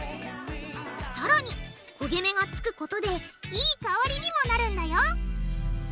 さらに焦げ目がつくことでいい香りにもなるんだよ！